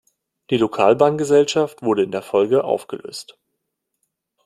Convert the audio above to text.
Die Lokalbahn-Gesellschaft wurde in der Folge aufgelöst.